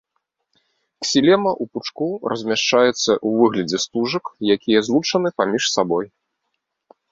Ксілема ў пучку размяшчаецца ў выглядзе стужак, якія злучаны паміж сабой.